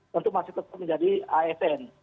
tentu masih tetap menjadi asn